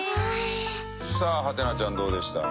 さあはてなちゃんどうでした？